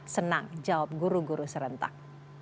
senang jawab guru guru serentak